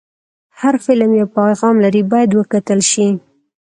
هر فلم یو پیغام لري، باید وکتل شي.